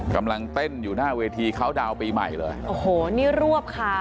กำลังเต้นอยู่หน้าเวทีเขาดาวน์ปีใหม่เลยโอ้โหนี่รวบค่ะ